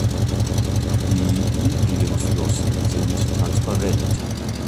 Die übrigen Flossen sind transparent.